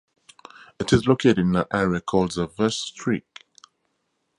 It is located in an area called the Vechtstreek.